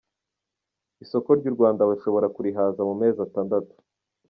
Isoko ry’u Rwanda bashobora kurihaza mu mezi atandatu.